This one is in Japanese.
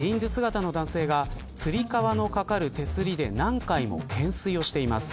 赤い上着にジーンズ姿の男性がつり革のかかる手すり何回も懸垂をしています。